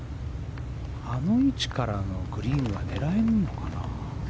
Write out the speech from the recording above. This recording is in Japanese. あの位置からのグリーンは狙えるのかな。